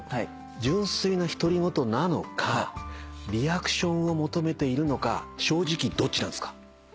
純粋な独り言なのかリアクションを求めているのか正直どっちなんですか？